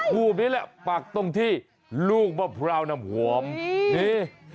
รูปนี้แหละปักตรงที่ลูกมะพร้าวน้ำหอมนี่